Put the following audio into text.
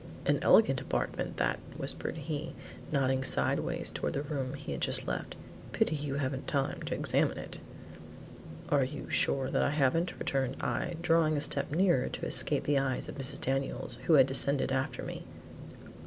"An elegant apartment, that," whispered he, nodding sideways toward the room he had just left, "pity you haven't time to examine it." "Are you sure that I haven't?" returned I, drawing a step nearer to escape the eyes of Mrs. Daniels who had descended after me.